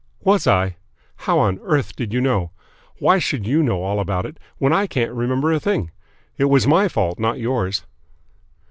"Was I? How on earth did you know? Why should you know all about it when I can't remember a thing? It was my fault, not yours."